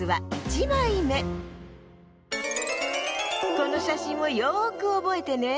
このしゃしんをよくおぼえてね。